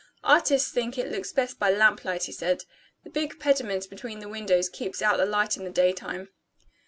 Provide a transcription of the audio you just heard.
"Artists think it looks best by lamplight," he said. "The big pediment between the windows keeps out the light in the daytime."